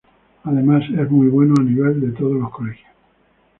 Además es muy bueno a nivel de todos los colegios.